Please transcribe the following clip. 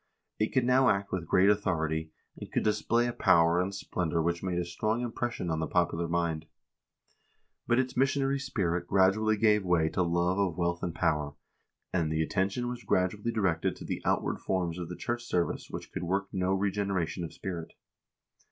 It could now act with great authority, and could display a power and splendor which made a strong impres sion on the popular mind. But its missionary spirit gradually gave way to love of wealth and power, and the attention was gradually directed to the outward forms of the church service which could work no regeneration of spirit.